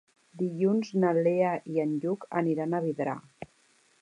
Dilluns na Lea i en Lluc aniran a Vidrà.